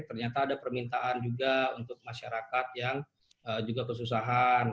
ternyata ada permintaan juga untuk masyarakat yang juga kesusahan